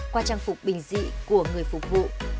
qua trang phục bình dị của người phục vụ